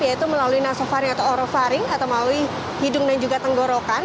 yaitu melalui nasofaring atau orofaring atau melalui hidung dan juga tenggorokan